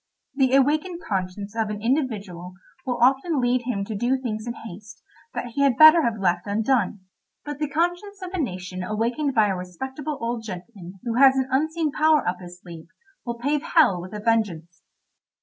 The awakened conscience of an individual will often lead him to do things in haste that he had better have left undone, but the conscience of a nation awakened by a respectable old gentleman who has an unseen power up his sleeve will pave hell with a vengeance.